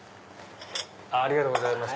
ありがとうございます。